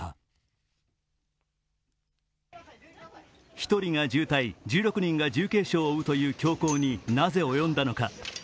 １人が重体、１６人が重軽傷を負うという凶行になぜ及んだのか。